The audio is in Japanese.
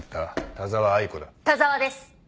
田澤です。